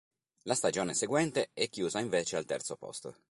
La stagione seguente è chiusa invece al terzo posto.